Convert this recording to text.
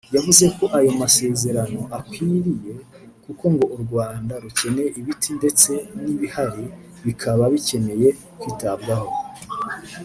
yavuze ko ayo masezerano akwiriye kuko ngo u Rwanda rukeneye ibiti ndetse n’ibihari bikaba bikeneye kwitabwaho